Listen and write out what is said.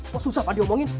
kok susah pak diomongin